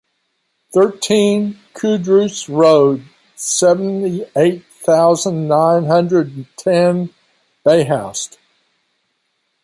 Thirteen, Coudreuse road, seventy eight thousand nine hundred ten, Béhoust